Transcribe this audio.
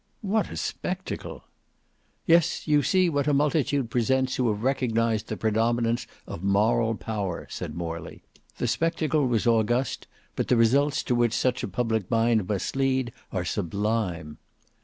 "What a spectacle!" "Yes; you see what a multitude presents who have recognised the predominance of Moral Power," said Morley. "The spectacle was august; but the results to which such a public mind must lead are sublime."